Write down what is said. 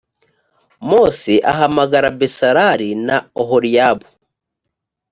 mose ahamagara besal li na oholiyabu